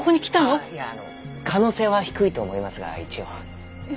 ああいやあの可能性は低いと思いますが一応。